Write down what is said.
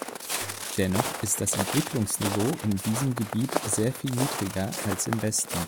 Dennoch ist das Entwicklungsniveau in diesem Gebiet sehr viel niedriger als im Westen.